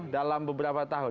dalam beberapa tahun